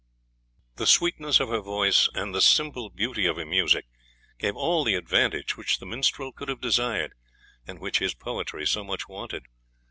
The sweetness of her voice, and the simple beauty of her music, gave all the advantage which the minstrel could have desired, and which his poetry so much wanted.